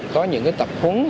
có những tập hứng